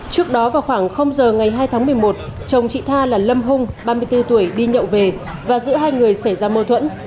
trước đó vào khoảng giờ ngày hai tháng một mươi một chồng chị tha là lâm hung ba mươi bốn tuổi đi nhậu về và giữa hai người xảy ra mâu thuẫn